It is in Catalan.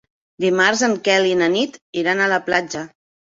Dimarts en Quel i na Nit iran a la platja.